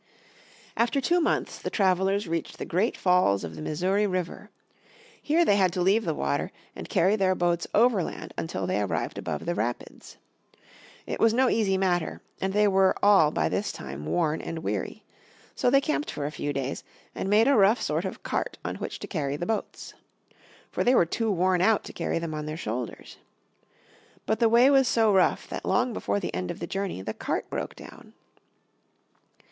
After two months the travelers reached the great falls of the Missouri River. Here they had to leave the water, and carry their boats overland until they arrived above the rapids. It was no easy matter and they were all by this time worn and weary. So they camped for a few days, and made a rough sort of cart on which to carry the boats. For they were too worn out to carry them on their shoulders. But the way was so rough that long before the end of the journey the cart broke down.